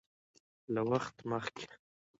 له وخت مخکې